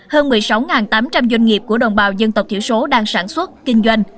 hơn một mươi sáu tám trăm linh doanh nghiệp của đồng bào dân tộc thiểu số đang sản xuất kinh doanh